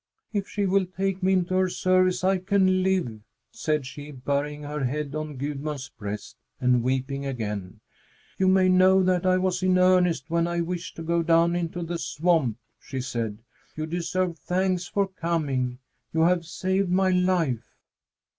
"If she will take me into her service, I can live!" said she, burying her head on Gudmund's breast and weeping again. "You may know that I was in earnest when I wished to go down into the swamp," she said. "You deserve thanks for coming. You have saved my life."